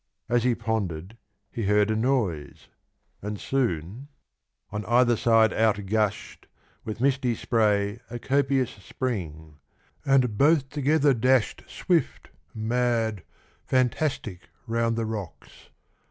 As he pondered he heard a noise, and soon — On either side outg'ush'd, with misty spray, A copious spring; and both together dash'd Swift, mad, fantastic round the rocks.